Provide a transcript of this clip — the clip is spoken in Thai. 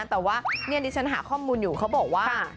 แต่ว่านี่ดิฉันหาข้อมูลอยู่เขาบอกว่า